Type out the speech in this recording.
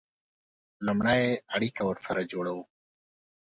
لومړی اړیکه ورسره جوړوو.